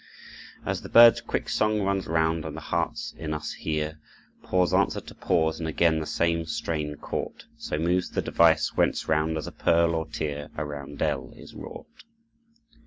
"As the bird's quick song runs round, and the hearts in us hear Pause answer to pause, and again the same strain caught. So moves the device whence, round as a pearl or tear, A Roundel is wrought."